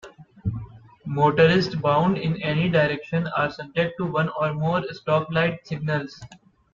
Motorists bound in any direction are subject to one or more stoplight signals.